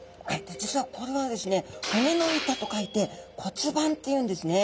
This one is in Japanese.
実はこれはですね骨の板と書いて骨板っていうんですね。